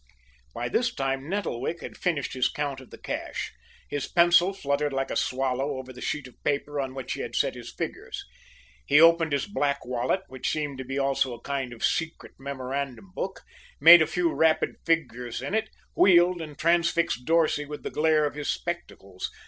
By this time Nettlewick had finished his count of the cash. His pencil fluttered like a swallow over the sheet of paper on which he had set his figures. He opened his black wallet, which seemed to be also a kind of secret memorandum book, made a few rapid figures in it, wheeled and transfixed Dorsey with the glare of his spectacles.